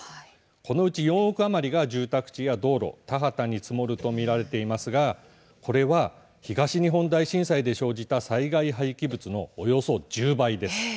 このうち４億余りが住宅地や道路、田畑に積もると見られていますがこれは東日本大震災で生じた災害廃棄物のおよそ１０倍です。